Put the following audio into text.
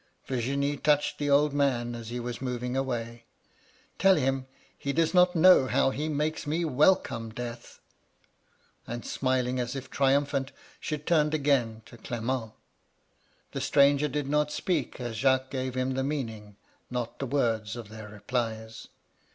Virginie touched the old man as he was moving away. * Tell him he does not know how he makes me welcome Death.' And smiling, as if triumphant, she turned again to Clement. ^* The stranger did not speak as Jacques gave him MY LADY LUDLOW. 193 the meaning, not the words of their replies.